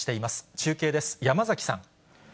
中継です、山崎さん。